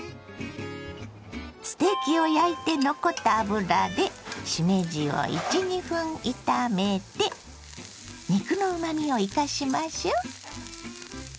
ステーキを焼いて残った油でしめじを１２分炒めて肉のうまみを生かしましょ。